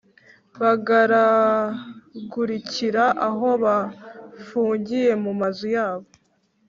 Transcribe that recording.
bagaragurikira aho bafungiye mu mazu yabo,